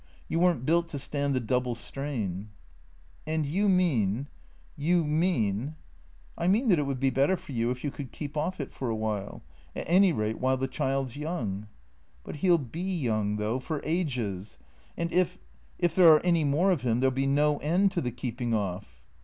You were n't built to stand the double strain "" And you mean — you mean "" I mean that it would be better for you if you could keep off it for a while. At any rate while the child 's young." " But he '11 be young, though, for ages. And if — if there are any more of him, there '11 be no end to the keeping off."